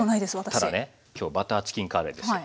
ただね今日バターチキンカレーですよ。